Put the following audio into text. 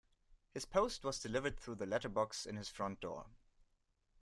His post was delivered through the letterbox in his front door